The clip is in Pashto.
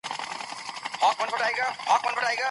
دا اجازه پدې شرط ده، چي دوی به زينت نکوي.